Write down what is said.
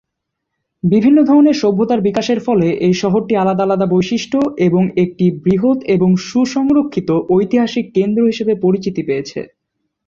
বিভিন্ন ধরনের সভ্যতার বিকাশের ফলে এই শহরটি আলাদা আলাদা বৈশিষ্ট্য এবং একটি বৃহত এবং সু-সংরক্ষিত ঐতিহাসিক কেন্দ্র হিসাবে পরিচিতি পেয়েছে।